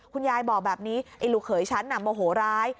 คุณยายบอกแบบนี้ไอ้ลูกเขยฉันน่ะโมโหร้าย